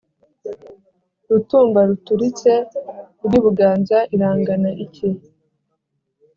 Rutumba ruturitse rw'i Buganza irangana iki ?